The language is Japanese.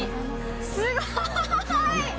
すごい。